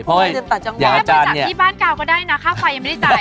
บริจาคที่บ้านกาวก็ได้นะค่าไฟยังไม่ได้จ่ายเลย